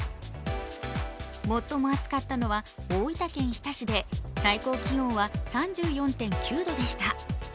最も暑かったのは大分県日田市で最高気温は３４．９度でした。